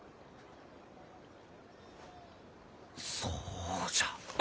そうじゃ。